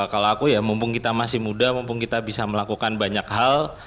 kalau aku ya mumpung kita masih muda mumpung kita bisa melakukan banyak hal